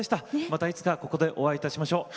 またいつかここでお会いいたしましょう。